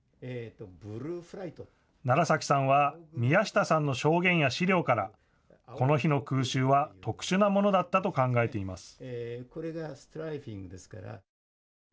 楢崎さんは宮下さんの証言や資料から、この日の空襲は特殊なものだったと考えています。